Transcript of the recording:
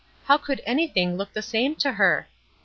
"How could anything look the same to her?"